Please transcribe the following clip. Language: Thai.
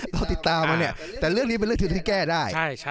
เราติดตามมาเนี่ยแต่เรื่องนี้เป็นเรื่องที่แก้ได้